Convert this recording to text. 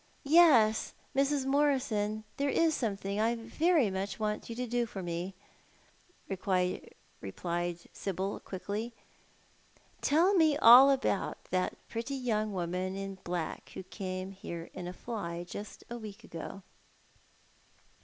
"Yes, Mrs. Morison, there is something I very much v\ ant you to do for me," rej^lied Sibyl, quickly. "Tell me all about that pretty young woman in black who came here in a fly just a week ago."